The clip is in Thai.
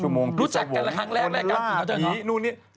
ชั่วโมงพี่สะวมโรนล่าผีนู่นนี่